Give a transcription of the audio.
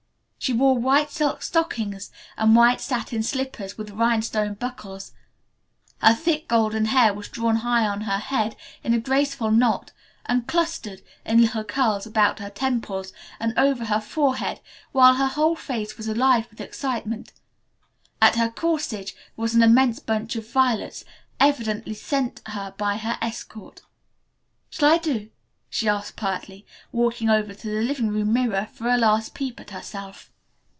She wore white silk stockings and white satin slippers with little rhinestone buckles. Her thick golden hair was drawn high on her head in a graceful knot and clustered in little curls about her temples and over her forehead, while her whole face was alive with excitement. At her corsage was an immense bunch of violets, evidently sent her by her escort. "Shall I do?" she asked pertly, walking over to the living room mirror for a last peep at herself.